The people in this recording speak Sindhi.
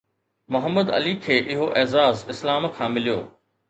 محمد علي کي اهو اعزاز اسلام کان مليو